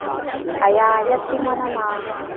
係啊，一千蚊吖嘛